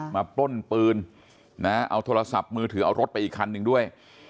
ปล้นปืนนะเอาโทรศัพท์มือถือเอารถไปอีกคันหนึ่งด้วย